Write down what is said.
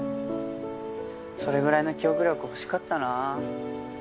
それぐらいの記憶力欲しかったなあ。